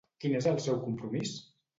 Quin és el seu compromís?